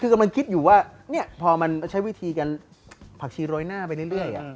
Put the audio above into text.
คือมันคิดอยู่ว่าพอใช้วิธีกันผลักชีร้อยหน้าไปเรื่อย